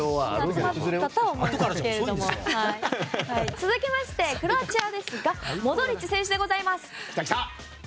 続きましてクロアチアですがモドリッチ選手でございます。